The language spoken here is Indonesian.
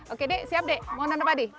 oke dek siap dek mau menanam padi